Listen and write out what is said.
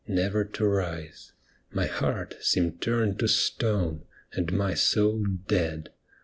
Never to rise. My heart seemed turned to stone, And my soul dead.